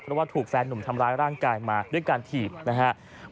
เพราะว่าถูกแฟนหนุ่มทำร้ายร่างกายมาด้วยการถีบนะครับ